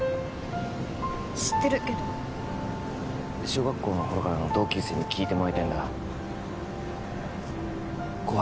知ってるけど小学校の頃からの同級生に聞いてもらいたいんだ心